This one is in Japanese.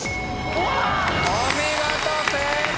お見事正解！